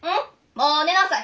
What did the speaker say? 「もう寝なさい！